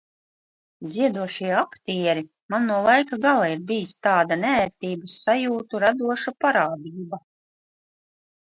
Dziedošie aktieri man no laika gala ir bijis tāda neērtības sajūtu radoša parādība.